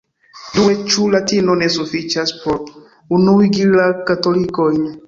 Due, ĉu latino ne sufiĉas por unuigi la katolikojn.